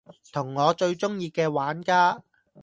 同我最鍾意嘅玩家